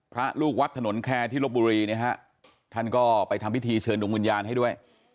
พระลูกวัดถนนแคร์ที่ลบบุรีนะฮะท่านก็ไปทำพิธีเชิญดวงวิญญาณให้ด้วย